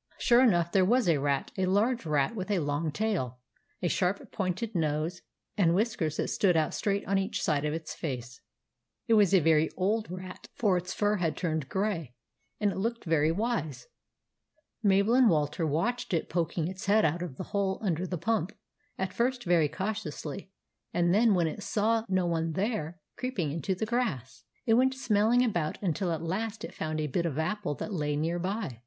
" Sure enough there was a rat, — a large rat with a long tail, a sharp pointed nose, and whiskers that stood out straight on each side of its face. It was a very old rat, for GREY RAT UNDER THE PUMP 99 its fur had turned grey, and it looked very wise. Mabel and Walter watched it poking its head out of the hole under the pump, at first very cautiously, and then, when it saw no one there, creeping into the grass. It went smelling about until at last it found a bit of apple that lay near by.